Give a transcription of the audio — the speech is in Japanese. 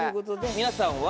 皆さんは。